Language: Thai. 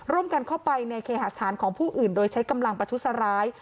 ร่วมกันเข้าไปในเคหาสถานของผู้อื่นโดยใช้กำลังประทุษร้าย